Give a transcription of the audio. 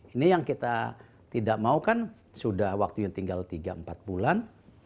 ini yang kita tidak mau kan sudah waktunya tinggal tiga empat bulan